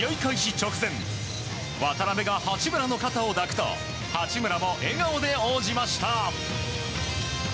直前渡邊が八村の肩を抱くと八村も笑顔で応じました。